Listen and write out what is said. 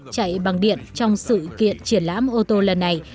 chạy bằng điện trong sự kiện triển lãm ô tô lần này